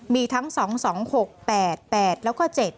มีทั้ง๒๒๖๘๘แล้วก็๗